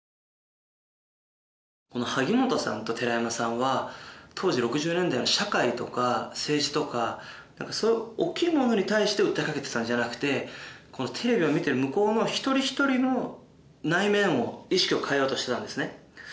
萩元さんと寺山さんは当時６０年代の社会とか政治とかそういうおっきいものに対して訴えかけてたんじゃなくてテレビを見てる向こうの一人一人の内面を意識を変えようとしてたんですね